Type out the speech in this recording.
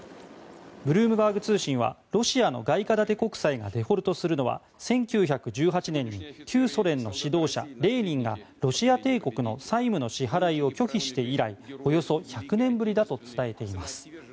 ブルームバーグ通信はロシアの外貨建て国債がデフォルトするのは１９１８年に旧ソ連の指導者レーニンがロシア帝国の債務の支払いを拒否して以来およそ１００年ぶりだと伝えています。